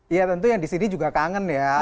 iya tentu yang di sini juga kangen ya